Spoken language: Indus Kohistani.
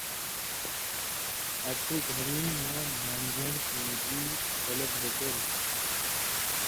آں تُو گھریں واں مان٘ژھان٘ڑ سن٘دژی ݜلہ بھېٹېلوۡ تُھو“۔